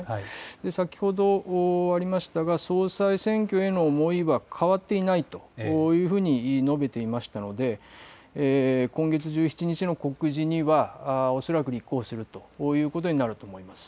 先ほどありましたが総裁選挙への思いは変わっていないというふうに述べていましたので今月１７日の告示には恐らく立候補するということになると思います。